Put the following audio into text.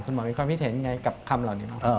คุณหมอมีความพิธฯก็ยังไงกับคำเหล่านี้